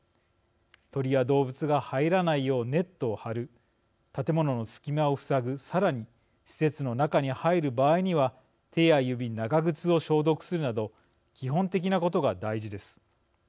鳥や動物が入らないようネットを張る建物の隙間を塞ぐさらに、施設の中に入る場合には手や指、長靴を消毒するなど基本的なことが大事です。